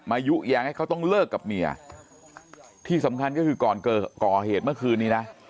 ยุแย้งให้เขาต้องเลิกกับเมียที่สำคัญก็คือก่อนก่อเหตุเมื่อคืนนี้นะ